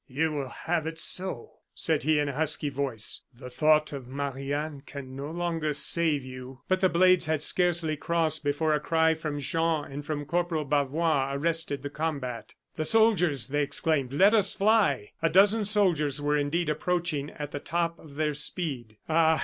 "You will have it so," said he in a husky voice. "The thought of Marie Anne can no longer save you." But the blades had scarcely crossed before a cry from Jean and from Corporal Bavois arrested the combat. "The soldiers!" they exclaimed; "let us fly!" A dozen soldiers were indeed approaching at the top of their speed. "Ah!